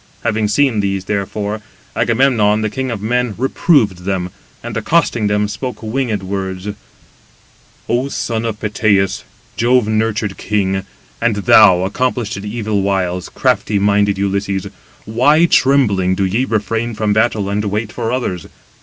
Having seen these, therefore, Agamemnon, the king of men, reproved them, and, accosting them, spoke winged words: "O son of Peteus, Jove nurtured king, and thou, accomplished in evil wiles, crafty minded [Ulysses], why trembling do ye refrain from battle, and wait for others?